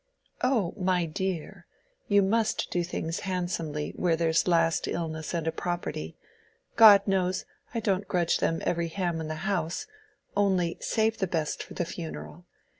"Oh, my dear, you must do things handsomely where there's last illness and a property. God knows, I don't grudge them every ham in the house—only, save the best for the funeral.